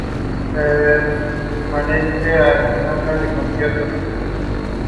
Parker also played basketball and ran track.